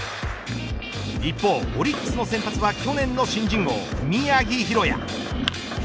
一方、オリックスの先発は去年の新人王宮城大弥。